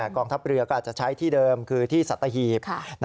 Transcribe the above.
กองทัพเรือก็อาจจะใช้ที่เดิมคือที่สัตหีบ